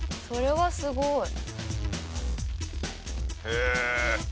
それはすごい。